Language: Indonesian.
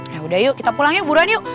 yaudah yuk kita pulang yuk buruan yuk